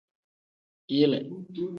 Yile.